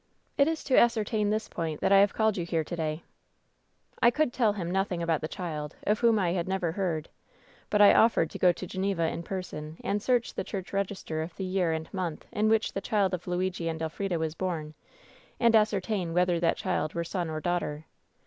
It is to ascertain this point that I have called you here to day/ "I could tell him nothing about the child, of whom I had never heard. But I offered to go to Geneva in person, and search the church register of the year and month in which the child of Luigi and Elfrida was bom, and ascertain whether that child were son or daughter.